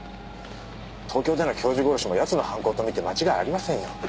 東京での教授殺しも奴の犯行と見て間違いありませんよ。